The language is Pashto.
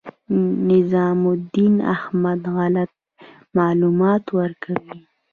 نظام الدین احمد غلط معلومات ورکوي.